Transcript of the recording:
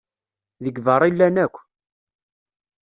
Deg beṛṛa i llan akk.